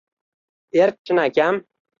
Erk chinakam